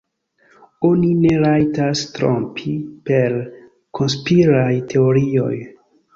Oni ne rajtas trompi per konspiraj teorioj.